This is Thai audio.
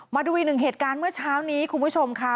มาดูอีกหนึ่งเหตุการณ์เมื่อเช้านี้คุณผู้ชมค่ะ